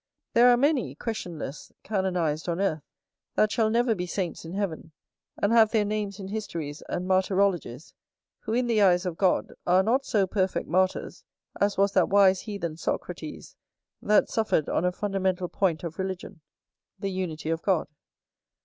There are many (questionless) canonized on earth, that shall never be saints in heaven; and have their names in histories and martyrologies, who, in the eyes of God, are not so perfect martyrs as was that wise heathen Socrates, that suffered on a fundamental point of religion, the unity of God.